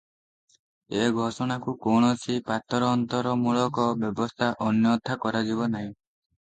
ଏ ଘୋଷଣାକୁ କୌଣସି ପାତରଅନ୍ତରମୂଳକ ବ୍ୟବସ୍ଥା ଅନ୍ୟଥା କରାଯିବ ନାହିଁ ।